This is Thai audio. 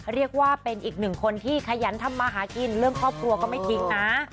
เรียกว่าเป็นอีกหนึ่งคนที่ขยันทำมาหากินเรื่องครอบครัวก็ไม่ทิ้งนะ